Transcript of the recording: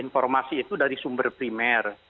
informasi itu dari sumber primer